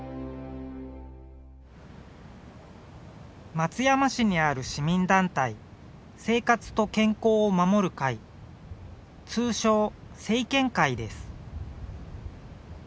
松山市にある市民団体生活と健康を守る会通称生健会です。